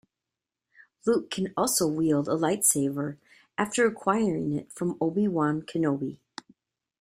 Luke can also wield a lightsaber after acquiring it from Obi Wan Kenobi.